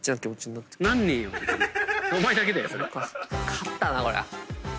勝ったなこりゃ。